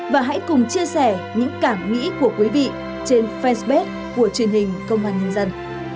và hãy cùng chia sẻ những cảm nghĩ của quý vị trên fanpage của truyền hình công an nhân dân